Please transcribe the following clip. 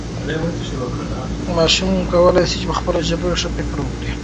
ماشوم کولی سي په خپله ژبه ښه فکر وکړي.